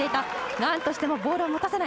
なんとしてもボールを持たせない。